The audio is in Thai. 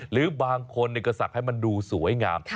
หรือบางคนก็ศักดิ์ให้มันดูสวยงาม